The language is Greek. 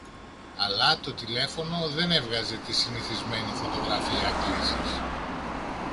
αλλά το τηλέφωνο δεν έβγαζε τη συνηθισμένη φωτογραφία κλήσης